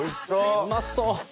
うまそう！